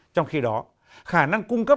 trong khi đó khả năng cung cấp